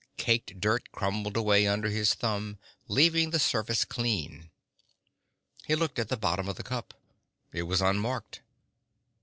Caked dirt crumbled away under his thumb, leaving the surface clean. He looked at the bottom of the cup. It was unmarked.